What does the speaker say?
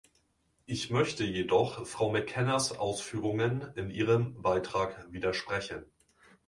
Ich möchte jedoch Frau McKennas Ausführungen in ihrem Beitrag widersprechen.